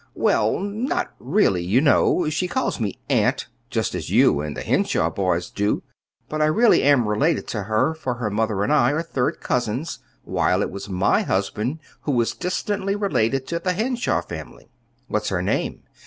"Well, not really, you know. She calls me 'Aunt,' just as you and the Henshaw boys do. But I really am related to her, for her mother and I are third cousins, while it was my husband who was distantly related to the Henshaw family." "What's her name?"